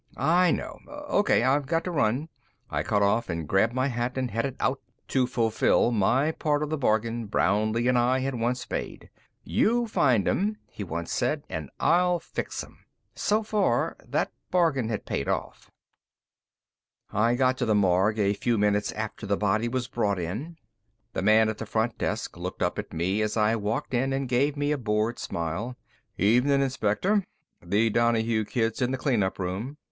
"I know. O.K.; I've got to run." I cut off, grabbed my hat, and headed out to fulfill my part of the bargain Brownlee and I had once made. "You find 'em," he'd once said, "and I'll fix 'em." So far, that bargain had paid off. I got to the morgue a few minutes after the body was brought in. The man at the front desk looked up at me as I walked in and gave me a bored smile. "Evening, Inspector. The Donahue kid's in the clean up room."